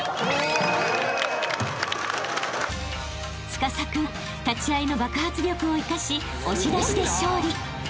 ［司君立ち合いの爆発力を生かし押し出しで勝利］